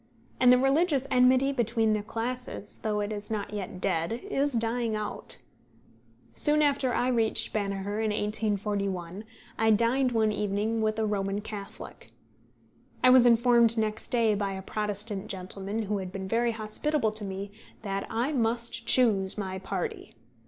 And the religious enmity between the classes, though it is not yet dead, is dying out. Soon after I reached Banagher in 1841, I dined one evening with a Roman Catholic. I was informed next day by a Protestant gentleman who had been very hospitable to me that I must choose my party.